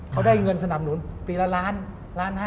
เขาได้เงินสนำหนุนปีละล้าน๕ล้าน